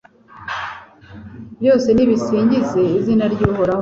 Byose nibisingize izina ry’Uhoraho